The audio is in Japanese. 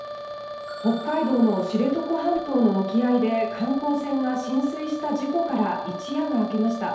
北海道の知床半島の沖合で観光船が浸水した事故から一夜が明けました。